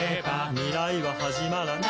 「未来ははじまらない」